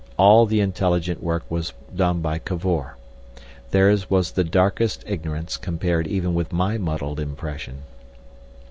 All the intelligent work was done by Cavor. Theirs was the darkest ignorance compared even with my muddled impression.